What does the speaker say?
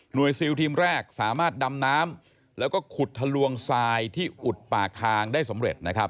หน่วยซีลทีมแรกสามารถดำน้ำและขุดทะลวงทรายที่อุดปากทางได้สำเร็จ